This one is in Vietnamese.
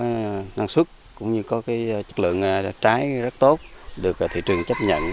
nó có năng suất cũng như có cái chất lượng trái rất tốt được thị trường chấp nhận